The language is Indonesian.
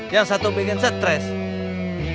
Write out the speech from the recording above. yang satu bikin stress